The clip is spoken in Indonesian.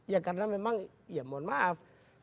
ya karena memang ya mohon maaf